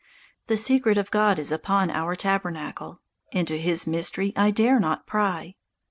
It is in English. The secret of God is upon our tabernacle; Into His mystery I dare not pry.